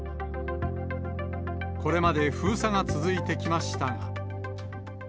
これまで封鎖が続いてきましたが。